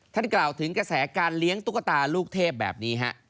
ท่านกล่าวถึงกระแสการเลี้ยงตุ๊กตาลูกเทพแบบนี้ฮะ